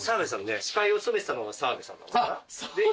司会を務めてたのが澤部さんだったかな。